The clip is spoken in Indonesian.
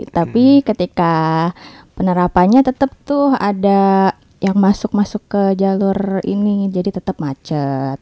tapi ketika penerapannya tetap tuh ada yang masuk masuk ke jalur ini jadi tetap macet